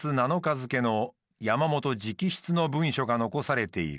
付けの山本直筆の文書が残されている。